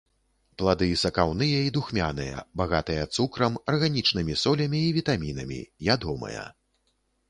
Плады сакаўныя і духмяныя, багатыя цукрам, арганічнымі солямі і вітамінамі, ядомыя.